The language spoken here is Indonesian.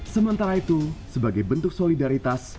sementara itu sebagai bentuk solidaritas